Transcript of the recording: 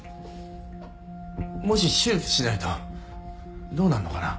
もし手術しないとどうなるのかな？